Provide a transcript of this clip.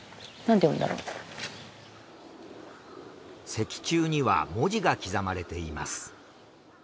石柱には文字が刻まれています。